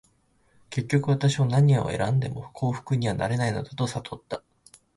結局、私は何を選んでも幸福にはなれないのだと悟った。